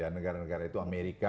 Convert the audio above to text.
negara negara itu amerika